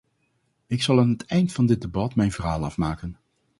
Ik zal aan het eind van dit debat mijn verhaal afmaken.